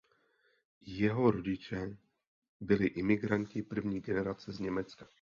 Jeho rodiče byli imigranti první generace z Německa.